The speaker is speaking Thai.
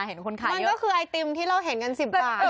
เห็นคนขายเยอะมันก็คือไอติมที่เราเห็นกัน๑๐บาท